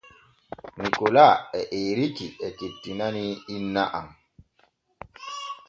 Nikola e Eriiki e kettinanii inna am.